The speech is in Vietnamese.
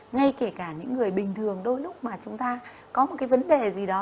ngay kể cả những người bình thường đôi lúc mà chúng ta có một cái vấn đề gì đó